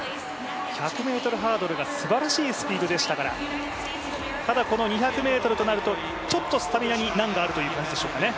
１００ｍハードルがすばらしいスピードでしたから、ただ、この２００ｍとなると、ちょっとスタミナに難があるという感じでしょうかね。